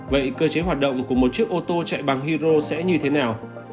vậy cơ chế hoạt động của một chiếc ô tô chạy bằng hydro sẽ như thế nào